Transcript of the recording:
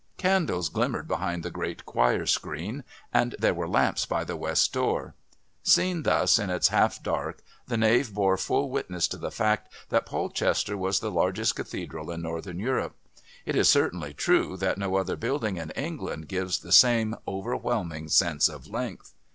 Candles glimmered behind the great choir screen and there were lamps by the West door. Seen thus, in its half dark, the nave bore full witness to the fact that Polchester has the largest Cathedral in Northern Europe. It is certainly true that no other building in England gives the same overwhelming sense of length.